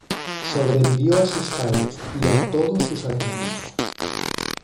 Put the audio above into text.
Sobrevivió a sus padres y a todos sus hermanos.